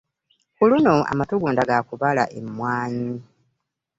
Ku luno amatugunda ga kubala emmwanyi.